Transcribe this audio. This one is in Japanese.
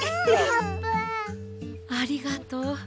ありがとう。